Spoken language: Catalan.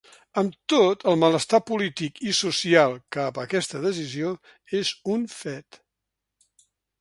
Amb tot, el malestar polític i social cap a aquesta decisió és un fet.